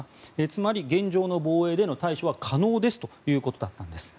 つまり、現状の防衛での対処は可能ということだったんです。